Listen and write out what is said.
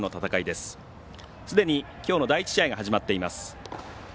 すでに、きょうの第１試合が始まっています。